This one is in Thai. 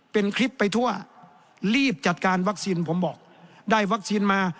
เป็นคลิปไปทั่วรีบจัดการวัคซีนผมบอกได้วัคซีนมา